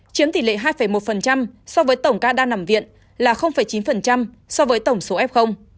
chiếm tỷ lệ hai một so với tổng ca đa nằm viện là chín so với tổng số f